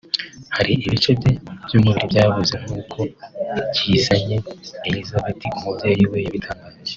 hari ibice bye by`umubiri byabuze; nk`uko Cyizanye Elisabeth umubyeyi we yabitangaje